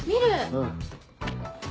うん。